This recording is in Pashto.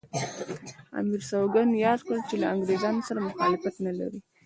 امیر سوګند یاد کړ چې له انګریزانو سره مخالفت نه لري.